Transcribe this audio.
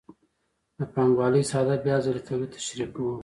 د پانګوالۍ ساده بیا ځلي تولید تشریح کوو